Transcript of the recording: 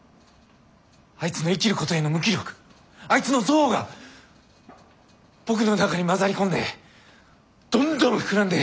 あいつの生きることへの無気力あいつの憎悪が僕の中に混ざり込んでどんどん膨らんで。